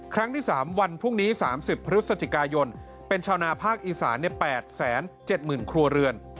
ครั้งที่๓วันพรุ่งนี้๓๐พฤศจิกายนเป็นชาวนาภาคอีสาน๘๗๐๐ครัวเรือน